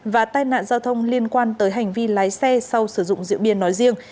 và tai nạn giao thông liên quan tới hành vi lái xe sau sử dụng rượu bia nói riêng